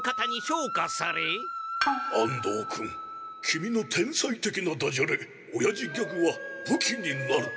君の天才的なダジャレおやじギャグは武器になる。